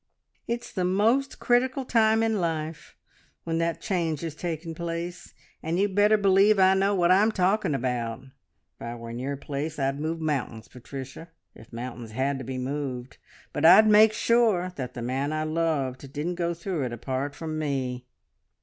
It's the most critical time in life, when that change is taking place, and you'd better believe I know what I'm talking about. If I were in your place I'd move mountains, Patricia, if mountains had to be moved, but I'd make sure that the man I loved didn't go through it apart from me!"